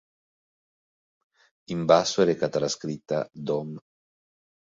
In basso è recata la scritta: "Dom.